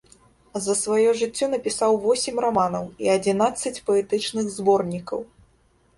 За сваё жыццё напісаў восем раманаў і адзінаццаць паэтычных зборнікаў.